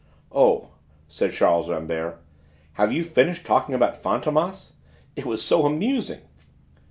"Oh!" said Charles Rambert, "have you finished talking about Fantômas? It was so amusing!"